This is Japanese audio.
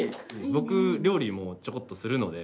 僕料理もちょこっとするので。